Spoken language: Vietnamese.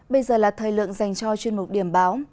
bây giờ là thời lượng dành cho chuyên mục điểm báo